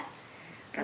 cảm ơn bà mẹ